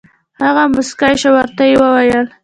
هغه موسکی شو او ورته یې وویل: